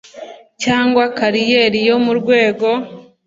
cyangwa kariyeri yo mu rwego